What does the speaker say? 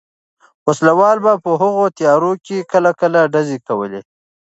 وسله والو به په هغو تیارو کې کله کله ډزې کولې.